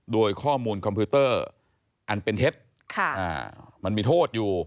โดยข้อมูลคอมพิวเตอร์อันเป็นเท็จมันมีโทษอยู่